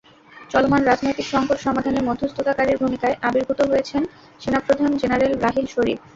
চলমান রাজনৈতিক সংকট সমাধানে মধ্যস্থতাকারীর ভূমিকায় আবির্ভূত হয়েছেন সেনাপ্রধান জেনারেল রাহিল শরিফ।